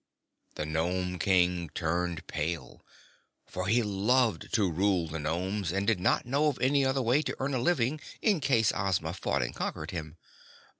The Nome King turned pale, for he loved to rule the Nomes and did not know of any other way to earn a living in case Ozma fought and conquered him.